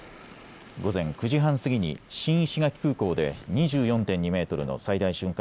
午前９時半過ぎに新石垣空港で２４．２メートルの最大瞬間